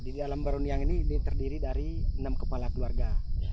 di dalam beruniang ini terdiri dari enam kepala keluarga